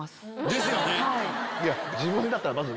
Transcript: いや自分だったらまず。